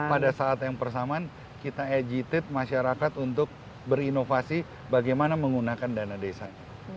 pada saat yang bersamaan kita agitate masyarakat untuk berinovasi bagaimana menggunakan dana desa